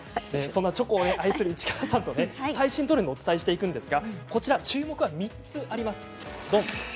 そんなチョコを愛する市川さんと最新トレンドをお伝えしていくんですが注目は３つあります。